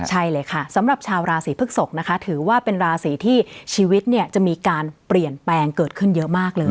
ใช่เลยค่ะสำหรับชาวราศีพฤกษกนะคะถือว่าเป็นราศีที่ชีวิตเนี่ยจะมีการเปลี่ยนแปลงเกิดขึ้นเยอะมากเลย